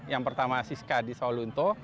yang pertama siska di solunto